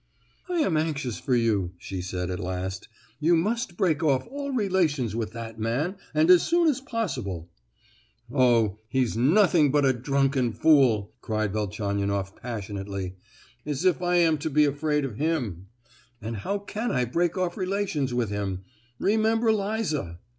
"I am anxious for you," she said at last. "You must break off all relations with that man, and as soon as possible." "Oh, he's nothing but a drunken fool!" cried Velchaninoff passionately; "as if I am to be afraid of him! And how can I break off relations with him? Remember Liza!"